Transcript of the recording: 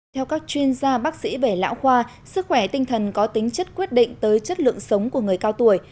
theo các chuyên gia bác sĩ về lão khoa sức khỏe tinh thần có tính chất quyết định tới chất lượng sống của người cao tuổi